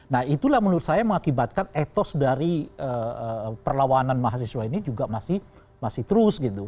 nah itulah menurut saya mengakibatkan etos dari perlawanan mahasiswa ini juga masih terus gitu